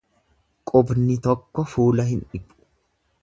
Qubni tokko fuula hin dhiqu.